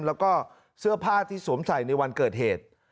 แล้วก็เสื้อผ้าที่สวมใส่ในวันเกิดเหตุ